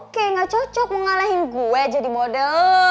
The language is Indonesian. oke gak cocok mengalahin gue jadi model